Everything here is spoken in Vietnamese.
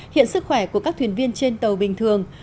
hiện sức khỏe của các thuyền viên trên tàu bình thường